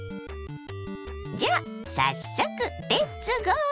じゃあ早速レッツゴー！